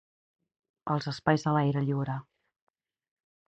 Els espais a l'aire lliure.